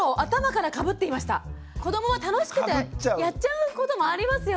子どもは楽しくてやっちゃうこともありますよね。